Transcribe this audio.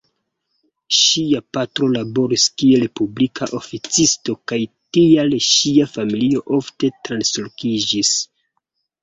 Ŝia patro laboris kiel publika oficisto kaj tial ŝia familio ofte translokiĝis.